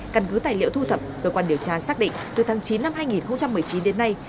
căn cứ tài liệu thu thập cơ quan điều tra xác định từ tháng chín năm hai nghìn một mươi chín đến nay